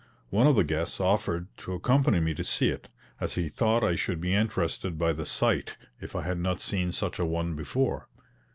One of the guests offered to accompany me to see it, as he thought I should be interested by the sight if I had not seen such a one before.